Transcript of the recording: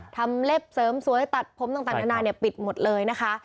ทำเล็บเสริมสวยตัดพร้อมต่างนานาเนี่ยปิดหมดเลยนะคะ